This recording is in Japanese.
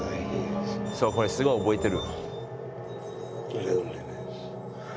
そうこれすごい覚えてる。